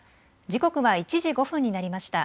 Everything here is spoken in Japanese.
時刻は１時５分になりました。